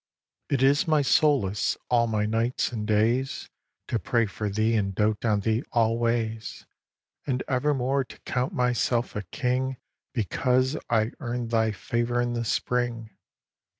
v. It is my solace, all my nights and days, To pray for thee and dote on thee always, And evermore to count myself a king Because I earn'd thy favour in the spring.